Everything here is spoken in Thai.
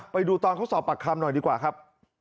ไปดูตอนเขาสอบปากคำหน่อยดีกว่าครับ